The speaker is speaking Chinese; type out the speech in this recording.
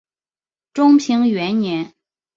中平元年。